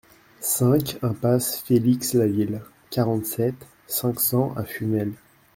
cinq impasse Félix Laville, quarante-sept, cinq cents à Fumel